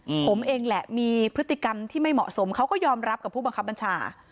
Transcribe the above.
อืมผมเองแหละมีพฤติกรรมที่ไม่เหมาะสมเขาก็ยอมรับกับผู้บังคับบัญชา